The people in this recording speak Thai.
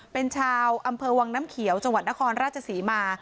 เป็นชาวอำเภอวังน้ำเขียวจังหวัดนครราชศรีมา